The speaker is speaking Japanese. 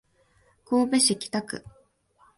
神戸市北区